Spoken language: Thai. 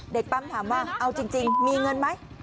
ปั๊มถามว่าเอาจริงมีเงินไหม